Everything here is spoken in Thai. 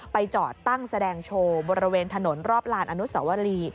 ไปจอดตั้งแสดงโชว์บริเวณถนนรอบลานอนุสวรี